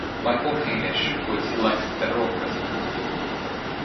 Michael Hainisch was elected Federal President.